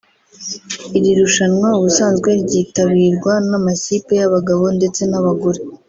Iri rushanwa ubusanzwe ryitabirwa n’amakipe y’abagabo ndetse n’abagore